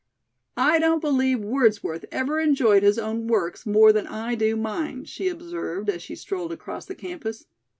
"I don't believe Wordsworth ever enjoyed his own works more than I do mine," she observed, as she strolled across the campus.